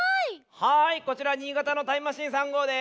はいこちら新潟のタイムマシーン３号です。